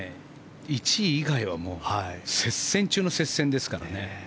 １位以外は接戦中の接戦ですからね。